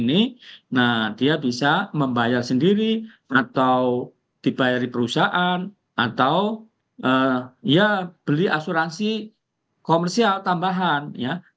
nah dia bisa membayar sendiri atau dibayar di perusahaan atau ya beli asuransi komersial tambahan ya